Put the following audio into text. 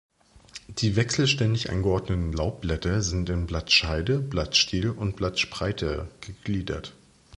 Die wechselständig angeordneten Laubblätter sind in Blattscheide, Blattstiel und Blattspreite gegliedert.